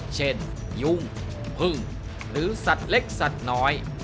เช่นยุ่งพึ่งหรือสัตว์เล็กสัตว์น้อย